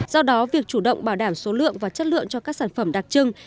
do đó việc chủ động bảo đảm số lượng và chất lượng cho các sản phẩm đặc trưng